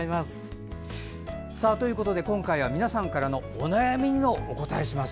今回は皆さんからのお悩みにもお答えします。